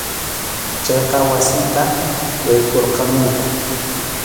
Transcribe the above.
Chayqa wasita yaykurqamunku.